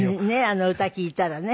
あの歌聴いたらね。